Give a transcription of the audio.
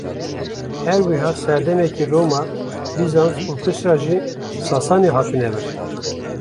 Her wiha serdemekê Roma, Bîzans û piştre jî sasanî hatine vir.